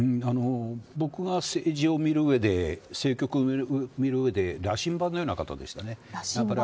僕が政治を見る上で政局を見る上で羅針盤のような方でした。